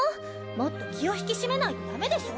もっと気を引き締めないとダメでしょ。